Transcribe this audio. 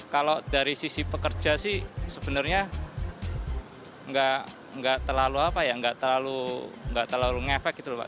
kalau dari sisi pekerja sih sebenarnya nggak terlalu apa ya nggak terlalu ngefek gitu loh pak